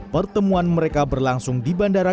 pertemuan mereka berlangsung di bandar sabah